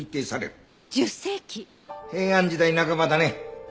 平安時代半ばだね。